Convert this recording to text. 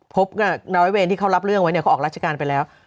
พบกับร้อยเวรที่เขารับเรื่องไว้เนี่ยเขาออกราชการไปแล้ว